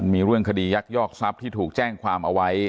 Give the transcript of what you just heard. มีเรื่องคดียักยอกทรัพย์ที่ถูกแจ้งความเอาไว้